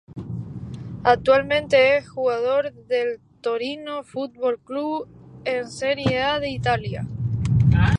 Actualmente es jugador del Torino Fútbol Club, en la Serie A de Italia.